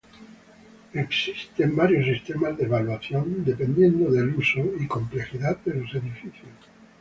Existen varios sistemas de evaluación dependiendo de el uso y complejidad de los edificios.